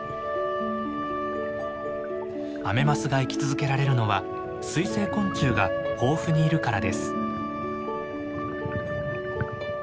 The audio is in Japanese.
アメマスが生き続けられるのは水生昆虫が豊富にいるからです。